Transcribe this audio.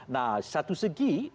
nah satu segi